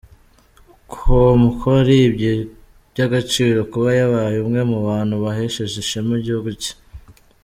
com ko ari iby’agaciro kuba yabaye umwe mu bantu bahesheje ishema igihugu cye.